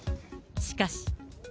しかし。